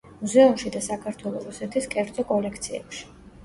მუზეუმში და საქართველო-რუსეთის კერძო კოლექციებში.